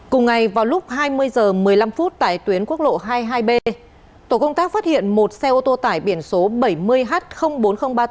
cùng ngày vào lúc hai mươi h một mươi năm phút tại tuyến quốc lộ hai mươi hai b tổ công tác phát hiện một xe ô tô tải biển số bảy mươi h bốn nghìn ba mươi tám